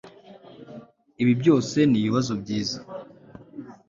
Ibi byose nibibazo byiza